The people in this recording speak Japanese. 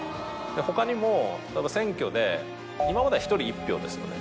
他にも例えば選挙で今までは１人１票ですよね。